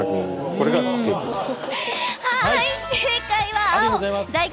これが正解です。